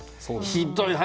ひどい話。